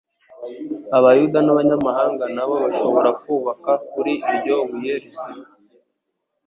Abayuda n'abanyamahanga na bo bashobora kubaka kuri iryo buye rizima.